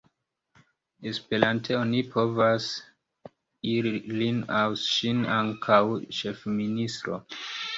Esperante oni povas nomi lin au ŝin ankaŭ ĉefministro.